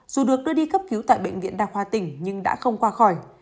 dù được đưa đi cấp cứu tại bệnh viện đa khoa tỉnh nhưng đã không qua khỏi